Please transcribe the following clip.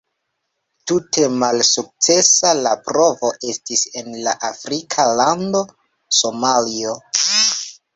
Tute malsukcesa la provo estis en la afrika lando Somalio.